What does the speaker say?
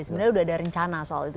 sebenarnya sudah ada rencana soal itu